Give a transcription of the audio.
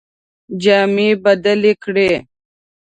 جامې بدلي کړې.